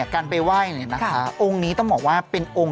การไปไหว้นะคะองค์นี้ต้องบอกว่านี่